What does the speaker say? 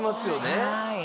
はい。